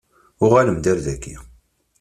Uɣalem-d ar daki.